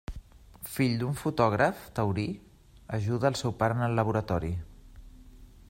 Fill d'un fotògraf taurí ajuda al seu pare en el laboratori.